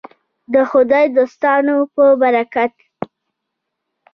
د خدای دوستانو په برکت.